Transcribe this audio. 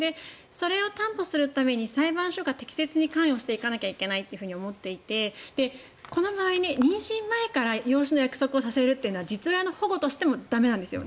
それを担保するために裁判所が適切に関与していかなければいけないと思っていてこの場合、妊娠前から養子縁組の約束をするというのは実親の保護という観点でも駄目なんですよ。